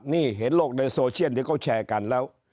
นี่เห็นโลกในโซเชียลที่เขาแชร์กันแล้ว